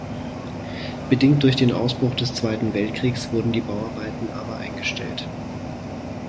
Bedingt durch den Ausbruch des Zweiten Weltkriegs wurden die Bauarbeiten aber eingestellt.